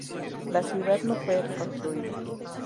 La ciudad no fue reconstruida.